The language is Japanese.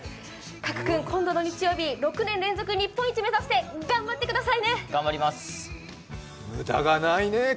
加来君、今度の日曜日、６年連続日本一目指して頑張ってください。